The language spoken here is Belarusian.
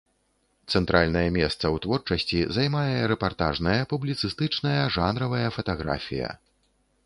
Цэнтральнае месца ў творчасці займае рэпартажная, публіцыстычная, жанравая фатаграфія.